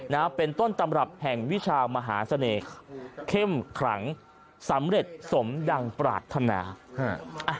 นะเป็นต้นตำรับแห่งวิชาวมหาเสน่ห์เข้มขลังสำเร็จสมดังปรารถนาฮะอ่ะ